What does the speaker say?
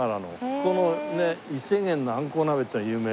ここのねいせ源のあんこう鍋っていうのが有名で。